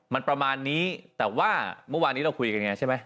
มันประมาณนี้แต่ว่าเมื่อวานนี้เราคุยกันไงใช่ไหม